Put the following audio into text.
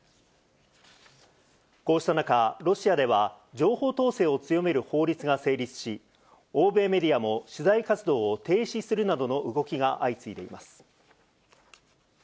こうした中、ロシアでは、情報統制を強める法律が成立し、欧米メディアも取材活動を停止するなどの動きが相次いでいます。